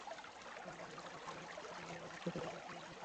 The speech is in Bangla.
কাল দেশের মাটিতে সেই হারের প্রতিশোধ নেওয়ার অপেক্ষাতেই ছিলেন সুনীল ছেত্রীরা।